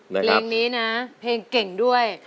เพลงนี้นะเพลงเก่งด้วย